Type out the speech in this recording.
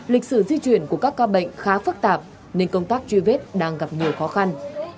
lịch sử di chuyển của các ca bệnh khá phức tạp nên công tác truy vết đang gặp nhiều khó khăn